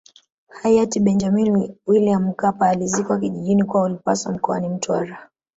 Hayati Benjamini Wiliam Mkapa alizikwa kijijini kwao Lupaso mkoani Mtwara